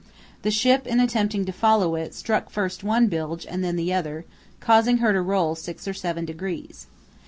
The ship, in attempting to follow it, struck first one bilge and then the other, causing her to roll six or seven degrees.